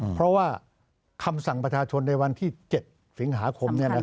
เพราะว่าคำสั่งประชาชนในวันที่๗สิงหาคมเนี่ยนะครับ